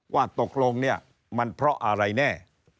ว่าตกลงเนี่ยมันเพราะอะไรแน่